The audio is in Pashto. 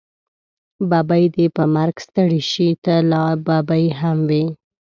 ببۍ دې په مرګ ستړې شې، ته لا ببۍ هم وی.